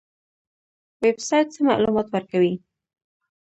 ویب سایټ څه معلومات ورکوي؟